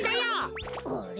あれ？